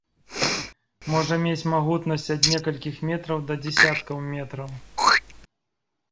Можа мець магутнасць ад некалькіх метраў да дзясяткаў метраў.